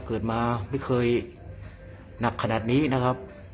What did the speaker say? เกิดมาไม่เคยหนักขนาดนี้นะครับ